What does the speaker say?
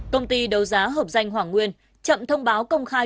công ty đấu giá hợp danh hoàng nguyên chậm thông báo công khai